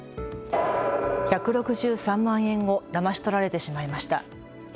１６３万円をだまし取られてしまいました。